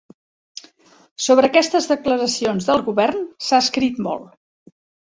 Sobre aquestes declaracions del govern s'ha escrit molt.